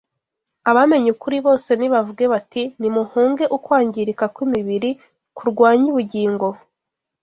Abamenye ukuri bose nibavuge bati, “Nimuhunge ukwangirika kw’imibiri kurwanya ubugingo.”